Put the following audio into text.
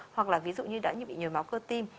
hoặc là ví dụ như đã bị nhồi máu cơ tim